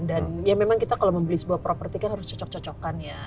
dan ya memang kita kalau membeli sebuah properti kan harus cocok cocokan ya